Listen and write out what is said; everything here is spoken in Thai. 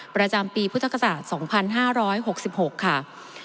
ประจำปีพุทธศาสตร์๒๕๖๖ค่ะ